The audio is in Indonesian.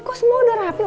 kok semua udah rapi